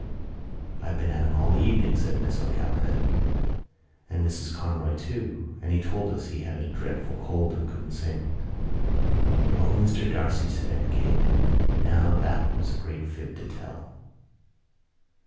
"I have been at him all the evening," said Miss O'Callaghan, "and Mrs Conroy too and he told us he had a dreadful cold and couldn't sing." "O, Mr D'Arcy," said Aunt Kate, "now that was a great fib to tell."